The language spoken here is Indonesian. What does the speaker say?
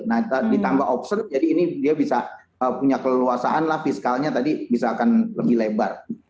nah ditambah obser jadi ini dia bisa punya keleluasaan lah fiskalnya tadi bisa akan lebih lebar